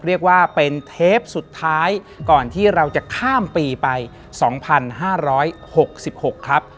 เรียกว่าเป็นเทปสุดท้ายก่อนที่เราจะข้ามปีไป๒๕๖๖ครับ